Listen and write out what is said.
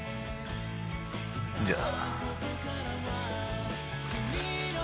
じゃあ。